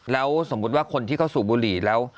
แล้วสมมุติว่าคนที่เขาสูบบุหรี่แล้ว